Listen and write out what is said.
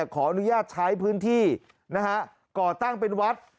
ขออนุญาตใช้พื้นที่ก่อตั้งเป็นวัด